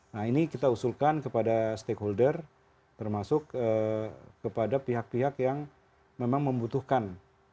nah ini kita usulkan kepada stakeholder termasuk kepada pihak pihak yang memang membutuhkan